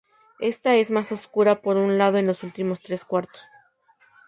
Ésta es más oscura por un lado en los últimos tres cuartos.